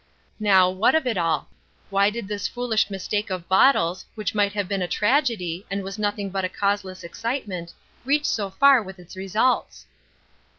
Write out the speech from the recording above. Now, what of it all? Why did this foolish mistake of bottles, which might have been a tragedy, and was nothing but a causeless excitement, reach so far with its results?